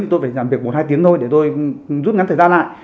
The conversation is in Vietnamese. tôi phải làm việc một hai tiếng thôi để tôi rút ngắn thời gian lại